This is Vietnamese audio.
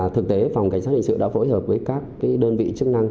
thực tế phòng cảnh sát hình sự đã phối hợp với các đơn vị chức năng